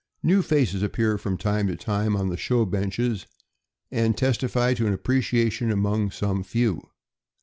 New faces appear from time to time on the show benches, and testify to an appreciation among some few.